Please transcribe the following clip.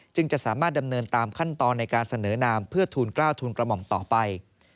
จะสามารถดำเนินตามขั้นตอนในการเสนอนามเพื่อทูลกล้าวทูลกระหม่อมต่อไป